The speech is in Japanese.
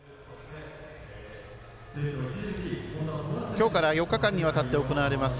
きょうから４日間にわたって行われます